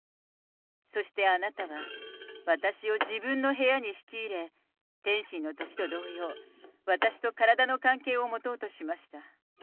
そしてあなたは私を自分の部屋に引き入れ、天津のときと同様、私と体の関係を持とうとしました。